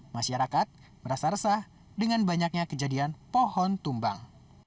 masyarakat merasa resah dengan banyaknya kejadian pohon tumbang